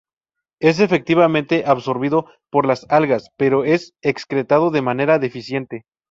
Es efectivamente absorbido por las algas, pero es excretado de manera deficiente.